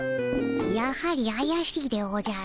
やはりあやしいでおじゃる。